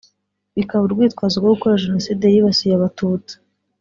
bikaba urwitwazo rwo gukora Jenoside yibasiye Abatutsi